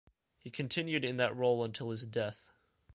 He continued in that role until his death.